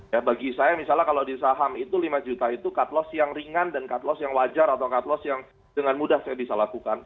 ya bagi saya misalnya kalau di saham itu lima juta itu cut loss yang ringan dan cut loss yang wajar atau cut loss yang dengan mudah saya bisa lakukan